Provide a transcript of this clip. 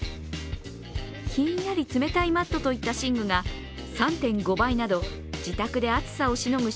ひんやり冷たいマットといった寝具が３．５倍など自宅で暑さをしのぐ